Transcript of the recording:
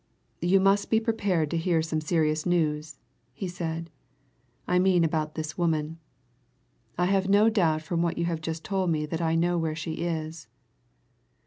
"You must be prepared to hear some serious news," he said. "I mean about this woman. I have no doubt from what you have just told me that I know where she is."